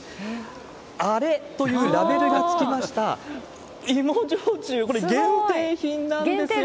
アレというラベルが付きました芋焼酎、これ、限定品なんですよ。